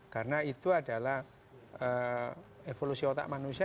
karena itu adalah evolusi otak manusia